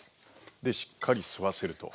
でしっかり吸わせると。